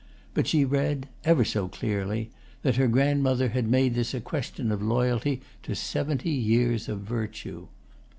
But she read, ever so clearly, that her grandmother had made this a question of loyalty to seventy years of virtue.